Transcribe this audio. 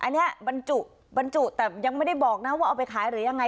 อันนี้บรรจุบรรจุแต่ยังไม่ได้บอกนะว่าเอาไปขายหรือยังไง